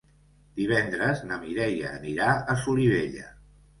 Divendres na Mireia anirà a Solivella.